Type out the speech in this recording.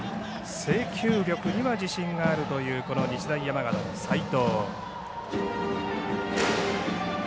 制球力には自信があるという日大山形の齋藤。